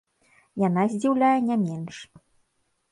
Яна здзіўляе не менш.